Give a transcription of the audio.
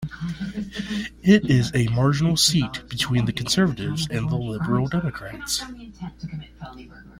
It is a marginal seat between the Conservatives and the Liberal Democrats.